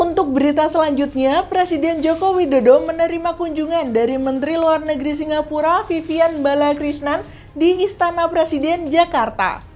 untuk berita selanjutnya presiden joko widodo menerima kunjungan dari menteri luar negeri singapura vivian bala krishnan di istana presiden jakarta